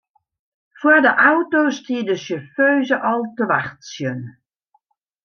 Foar de auto stie de sjauffeuze al te wachtsjen.